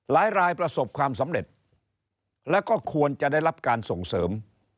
หลายรายประสบความสำเร็จแล้วก็ควรจะได้รับการส่งเสริม